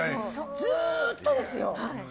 ずーっとですよ。